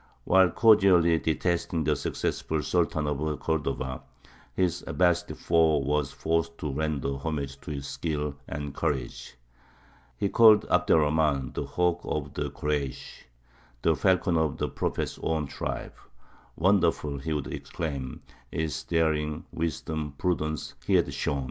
While cordially detesting the successful Sultan of Cordova, his Abbāside foe was forced to render homage to his skill and courage. He called Abd er Rahmān "the hawk of the Koreysh," the falcon of the Prophet's own tribe. "Wonderful," he would exclaim, "is the daring, wisdom, and prudence, he has shown!